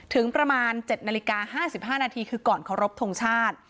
ถึงประมาณ๗นาฬิกา๕๕นาทีคือก่อนเคารพทงชาติ